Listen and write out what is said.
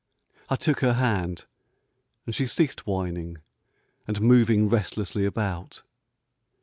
I took her hand, and she ceased whining and moving restlessly about.